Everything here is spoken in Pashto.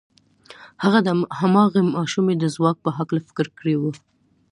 هغه د هماغې ماشومې د ځواک په هکله فکر کړی و.